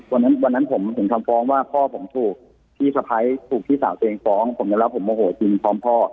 วันนั้นวันนั้นผมถึงทำฟ้องว่าพ่อผมถูกพี่สะพ้ายถูกพี่สาวตัวเองฟ้องผมยอมรับผมโมโหจริงพร้อมพ่อ